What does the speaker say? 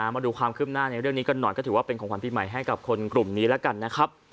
มาดูความคืบหน้าในเรื่องนี้กันหน่อยก็ถือว่าเป็นของขวัญปีใหม่ให้กับคนกลุ่มนี้แล้วกันนะครับ